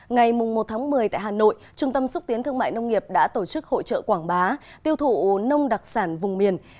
ngày một một mươi tại hà nội trung tâm xúc tiến thương mại nông nghiệp đã tổ chức hội trợ quảng bá tiêu thụ nông đặc sản vùng miền